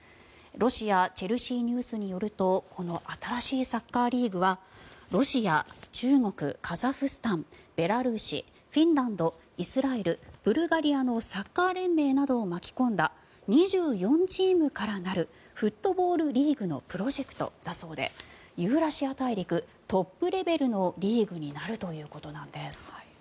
ロシアチェルシーニュースによるとこの新しいサッカーリーグはロシア、中国カザフスタン、ベラルーシフィンランド、イスラエルブルガリアのサッカー連盟などを巻き込んだ２４チームからなるフットボールリーグのプロジェクトだそうでユーラシア大陸トップレベルのリーグになるということなんです。